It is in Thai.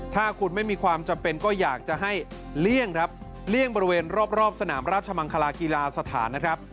ถ้าคุณไม่มีความจำเป็นก็อยากจะให้เลี่ยงครับเลี่ยงบริเวณรอบสนามราชมังคลากีฬาสถานนะครับ